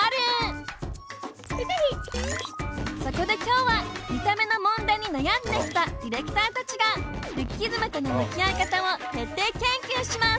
そこで今日は見た目の問題に悩んできたディレクターたちがルッキズムとの向き合い方を徹底研究します。